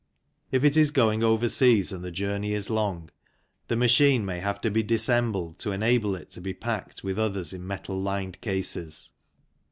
If it is going overseas and the journey is long, the machine may have to be dissembled to enable it to be packed with others in metal lined cases.